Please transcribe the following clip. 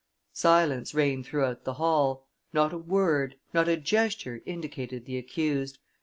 Silence reigned throughout the hall; not a word, not a gesture indicated the accused.